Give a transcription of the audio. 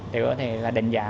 để có thể là đánh giá